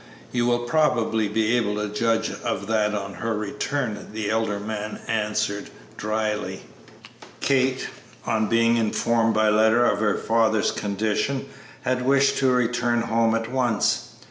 "You will probably be able to judge of that on her return," the elder man answered, dryly. Kate, on being informed by letter of her father's condition, had wished to return home at once.